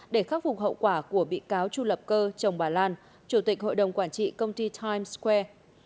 để khắc phục hậu quả của bị cáo chu lập cơ chồng bà lan chủ tịch hội đồng quản trị công ty times square